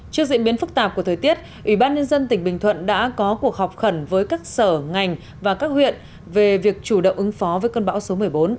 trước diễn biến phức tạp của thời tiết ủy ban nhân dân tỉnh bình thuận đã có cuộc họp khẩn với các sở ngành và các huyện về việc chủ động ứng phó với cơn bão số một mươi bốn